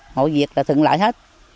ngồi việc là thường loại hết